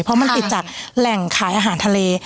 เพราะมันติดจากแหล่งขายอาหารทะเล